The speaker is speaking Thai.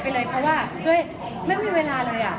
เพราะว่าไม่มีเวลาเลย